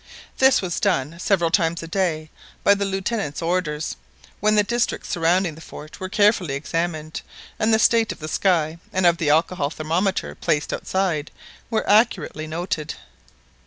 This was done several times a day by the Lieutenant's orders, when the districts surrounding the fort were carefully examined, and the state of the sky, and of the alcohol thermometer placed outside, were accurately noted.